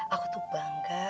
aku tuh bangga